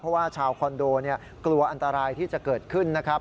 เพราะว่าชาวคอนโดกลัวอันตรายที่จะเกิดขึ้นนะครับ